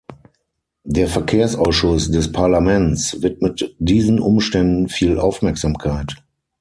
Der Verkehrsausschuss des Parlaments widmet diesen Umständen viel Aufmerksamkeit.